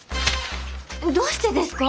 どうしてですか？